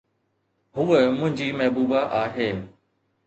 ھوءَ منھنجي محبوبا آھي.